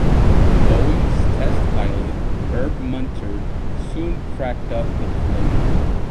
Boeing's test pilot, Herb Munter, soon cracked up the plane.